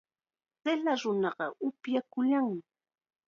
Qilla nunaqa upyakunllam.